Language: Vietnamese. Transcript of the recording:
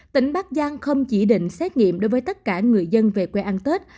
tỉnh bắc giang không chỉ định xét nghiệm đối với tất cả người dân về quê ăn tết